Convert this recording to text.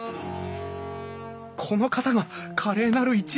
この方が華麗なる一族！